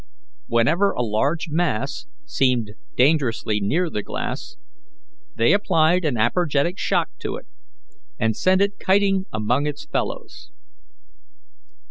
Whenever a large mass seemed dangerously near the glass, they applied an apergetic shock to it and sent it kiting among its fellows.